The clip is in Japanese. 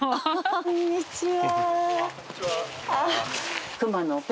こんにちは。